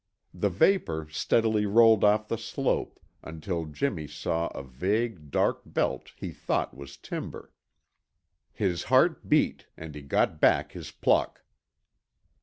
The vapor steadily rolled off the slope, until Jimmy saw a vague, dark belt he thought was timber. His heart beat and he got back his pluck.